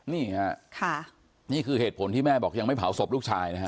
นี่ค่ะนี่คือเหตุผลที่แม่บอกยังไม่เผาศพลูกชายนะฮะ